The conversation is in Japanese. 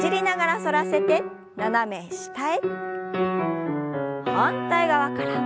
反対側から。